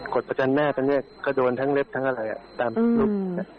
กดประจำแม่ตัวเนี้ยก็โดนทั้งเล็บทั้งอะไรอ่ะตามอืมครับ